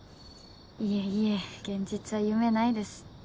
いえいえ現実は夢ないです。